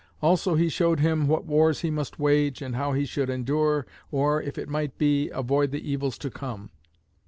Also he showed him what wars he must wage, and how he should endure, or, if it might be, avoid the evils to come.